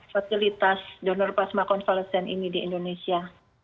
fasilitas donor plasma konvalesen ini di indonesia